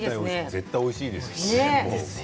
絶対おいしいです、もう。